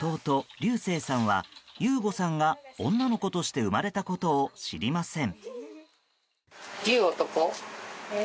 龍聖さんは悠悟さんが女の子として生まれたことを知りません。